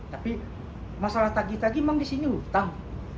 tapi masalah tagi tagi emang disini hutang